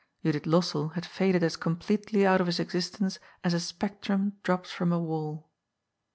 Judith Lossell had faded as completely out of his existence as a spectrum drops from a wall.